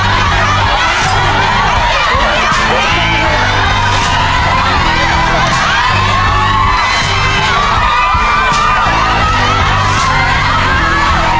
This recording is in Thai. อ้าวจังหยุดนะ